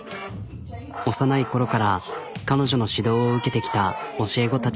幼い頃から彼女の指導を受けてきた教え子たち。